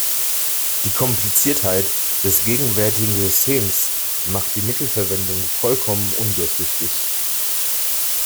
Die Kompliziertheit des gegenwärtigen Systems macht die Mittelverwendung vollkommen undurchsichtig.